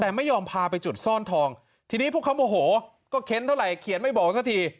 แต่ไม่ยอมพาไปจุดซ่อนทองทีนี้พวกเขาโมโหก็เค้นเท่าไหร่เขียนไม่บอกสักที